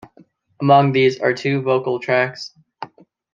Among these are two vocal tracks.